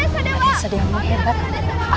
pradensa dewa pradensa dewa